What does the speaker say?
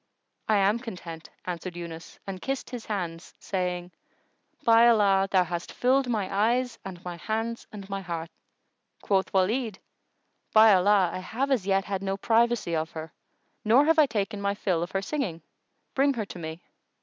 "I am content," answered Yunus and kissed his hands, saying, "By Allah, thou hast filled my eyes and my hands and my heart!" Quoth Walid, "By Allah, I have as yet had no privacy of her nor have I taken my fill of her singing. Bring her to me!"